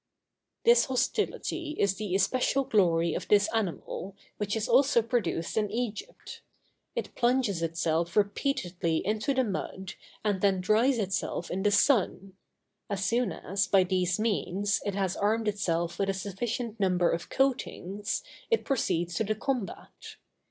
This hostility is the especial glory of this animal, which is also produced in Egypt. It plunges itself repeatedly into the mud, and then dries itself in the sun: as soon as, by these means, it has armed itself with a sufficient number of coatings, it proceeds to the combat.